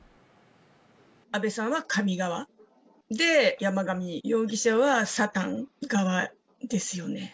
安倍さんは神側で、山上容疑者はサタン側ですよね。